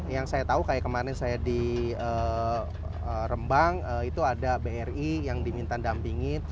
yang saya tahu kayak kemarin saya di rembang itu ada bri yang diminta dampingi